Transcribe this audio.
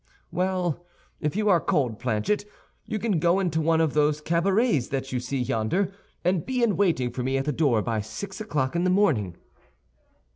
"Well, if you are cold, Planchet, you can go into one of those cabarets that you see yonder, and be in waiting for me at the door by six o'clock in the morning."